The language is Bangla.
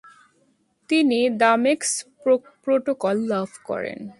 তিনি দামেস্ক প্রটোকল লাভ করেন।